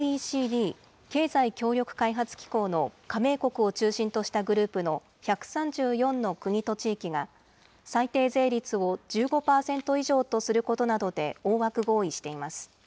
新たな国際課税ルールを巡っては、これまでにＯＥＣＤ・経済協力開発機構の加盟国を中心としたグループの１３４の国と地域が、最低税率を１５％以上とすることなどで大枠合意しています。